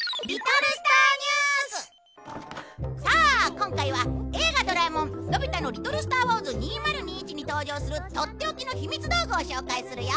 さあ今回は『映画ドラえもんのび太の宇宙小戦争２０２１』に登場するとっておきのひみつ道具を紹介するよ